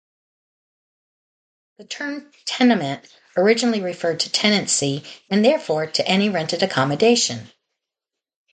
The term "tenement" originally referred to tenancy and therefore to any rented accommodation.